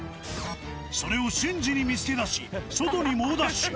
それを瞬時に見つけ出し、外に猛ダッシュ。